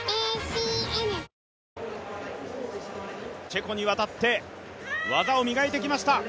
チェコに渡って技を磨いてきました。